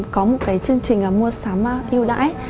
có một chương trình mua sắm yêu đáy